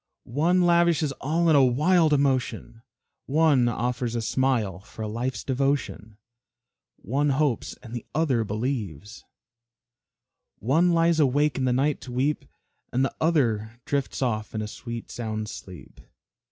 One lavishes all in a wild emotion, One offers a smile for a life's devotion, One hopes and the other believes, One lies awake in the night to weep, And the other drifts off in a sweet sound sleep.